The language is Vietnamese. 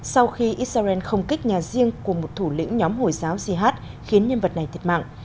sau khi israel không kích nhà riêng của một thủ lĩnh nhóm hồi giáo jihad khiến nhân vật này thiệt mạng